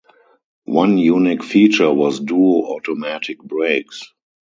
One unique feature was "Duo-Automatic" brakes.